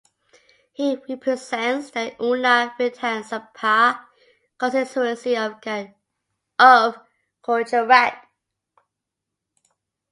He represents the Una Vidhan Sabha constituency of Gujarat.